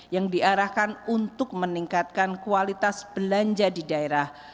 yang diarahkan untuk meningkatkan kualitas belanja di daerah